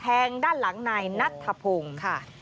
แทงด้านหลังนายนัทธพงศ์